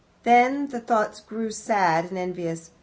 Then the thoughts grew sad and envious.